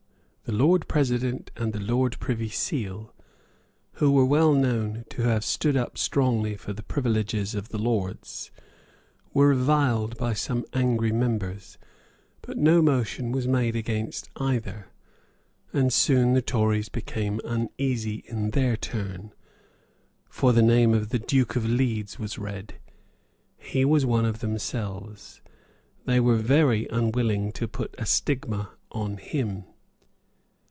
The Lord President and the Lord Privy Seal, who were well known to have stood up strongly for the privileges of the Lords, were reviled by some angry members; but no motion was made against either. And soon the Tories became uneasy in their turn; for the name of the Duke of Leeds was read. He was one of themselves. They were very unwilling to put a stigma on him.